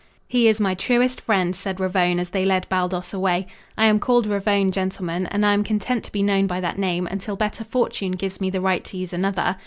"He is my truest friend," said Ravone, as they led Baldos away. "I am called Ravone, gentlemen, and I am content to be known by that name until better fortune gives me the right to use another.